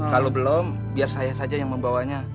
kalau belum biar saya saja yang membawanya